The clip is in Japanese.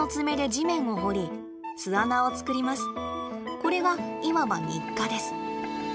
これがいわば日課です。